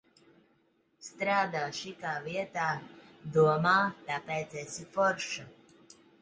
Strādā šikā vietā, domā, tāpēc esi forša.